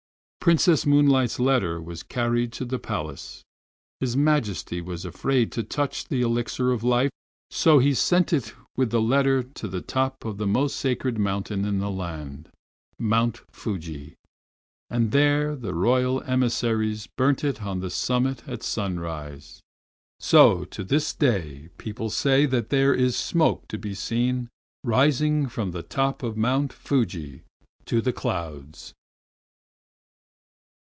Princess Moonlight's letter was carried to the Palace. His Majesty was afraid to touch the Elixir of Life, so he sent it with the letter to the top of the most sacred mountain in the land. Mount Fuji, and there the Royal emissaries burnt it on the summit at sunrise. So to this day people say there is smoke to be seen rising from the top of Mount Fuji to the clouds.